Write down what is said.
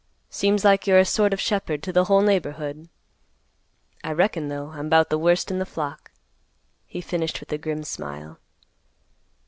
Seems like you're a sort of shepherd to the whole neighborhood. I reckon, though, I'm 'bout the worst in the flock," he finished with a grim smile.